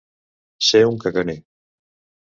Ser un caganer.